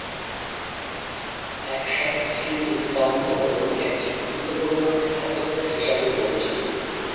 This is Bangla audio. একসাথে স্মৃতিস্তম্ভ এবং একটি গুরুত্বপূর্ণ স্থাপত্যের হিসাবে পরিচিত।